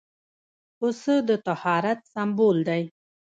پسه د طهارت سمبول دی.